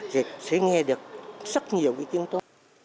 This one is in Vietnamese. thì sẽ nghe được rất nhiều cái kiến tố